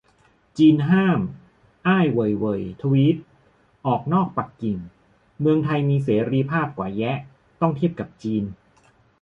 จีนห้าม "อ้าย เหว่ยเหว่ย" ทวีต - ออกนอกปักกิ่ง เมืองไทยมีเสรีภาพกว่าแยะ ต้องเทียบกับจีน